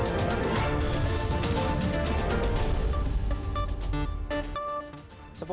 baik mas beka